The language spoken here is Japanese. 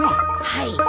はい。